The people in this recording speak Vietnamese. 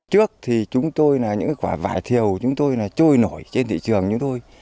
trước thì chúng tôi là những quả vải thiều chúng tôi là trôi nổi trên thị trường như thôi